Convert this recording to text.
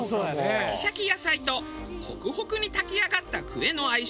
シャキシャキ野菜とホクホクに炊き上がったクエの相性は抜群！